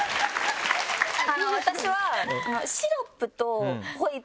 私は。